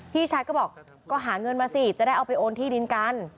พี่ชายก็บอกก็หาเงินมาสิจะได้เอาไปโอนที่ดินกัน